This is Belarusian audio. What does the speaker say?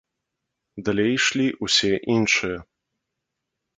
Далей ішлі ўсе іншыя.